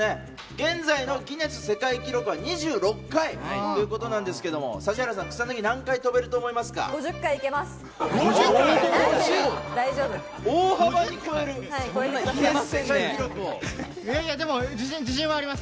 現在のギネス世界記録は２６回ということなんですが、指原さん、草薙は何回跳べると５０回いけると思います。